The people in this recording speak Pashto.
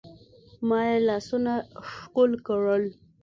ما يې لاسونه ښکل کړل.